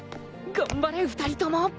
頑張れ２人とも！